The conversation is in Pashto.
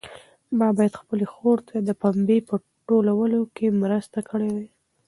ما باید خپلې خور ته د پنبې په ټولولو کې مرسته کړې وای.